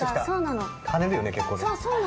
そうなの。